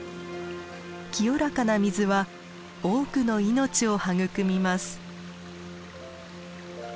清らかな水は多くの命を育みます。